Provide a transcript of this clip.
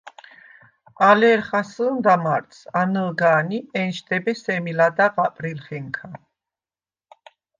ალე ერ ხასჷ̄ნდა მარტს, ანჷ̄გან ი ენშდებე სემი ლადეღ აპრილხენქა.